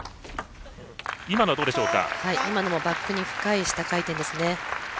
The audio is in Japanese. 今のもバックに深い下回転ですね。